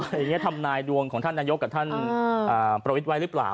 อย่างนี้ทำนายดวงของท่านนายกกับท่านประวิทย์ไว้หรือเปล่า